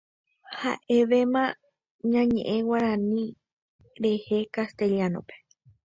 Ha'evéma ñañe'ẽ Guarani rehe Castellano-pe.